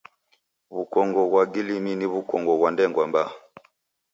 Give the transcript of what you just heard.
W'ukongo ghwa gilimi ni w'ukongo ghwa ndengwa mbaa.